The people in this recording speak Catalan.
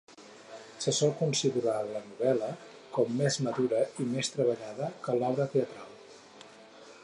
Se sol considerar la novel·la com més madura i més treballada que l'obra teatral.